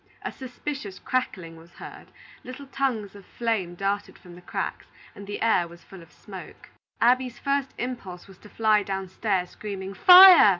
A suspicious crackling was heard, little tongues of flame darted from the cracks, and the air was full of smoke. Abby's first impulse was to fly downstairs, screaming "Fire!"